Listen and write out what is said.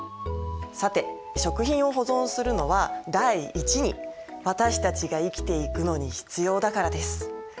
さて食品を保存するのは第一に私たちが生きていくのに必要だからです。